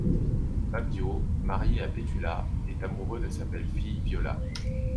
Babio, marié à Petula, est amoureux de sa belle-fille Viola.